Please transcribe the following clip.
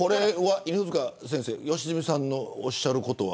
犬塚先生良純さんのおっしゃることは。